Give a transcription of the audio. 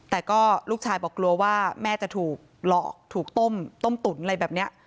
แต่ก็ลูกชายบอกกลัวว่าแม่จะถูกหลอกถูกต้มต้มตุ๋นอะไรแบบนี้